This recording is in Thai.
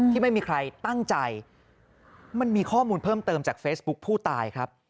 ที่ไม่มีใครตั้งใจมันมีข้อมูลเพิ่มเติมจากเฟซบุ๊คผู้ตายครับ